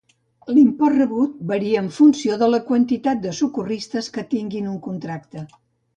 L'import rebut varia en funció de la quantitat de socorristes que tinguin un contracte.